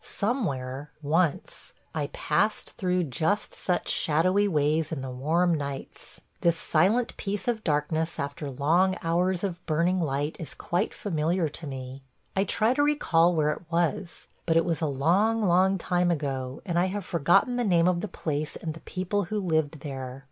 ... Somewhere – once – I passed through just such shadowy ways in the warm nights. ... This silent peace of darkness after long hours of burning light is quite familiar to me. I try to recall where it was – but it was a long, long, time ago and I have forgotten the name of the place and the people who lived there.